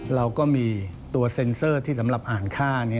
เราก็มีตัวเซ็นเซอร์ที่สำหรับอ่านค่า